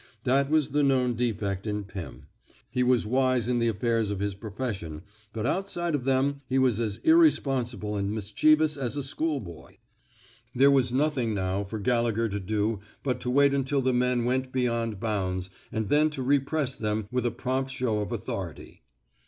That was the known defect in Pim ; he was wise in the affairs of his profession, but outside of them he was as irresponsible and mischievous as a schoolboy. There was nothing now for Gallegher to do but to wait until the men went beyond 127 THE SMOKE EATERS bounds and then to repress them with a prompt show of authority.